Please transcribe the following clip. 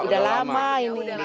udah lama ini